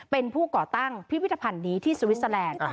เป็นผู้ก่อตั้งพิพิธภัณฑ์นี้ที่สวิสเตอร์แลนด์